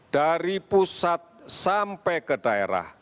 dari pusat sampai ke daerah